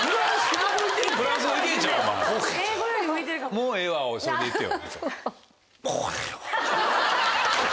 「もうええわ」をそれで言ってよ。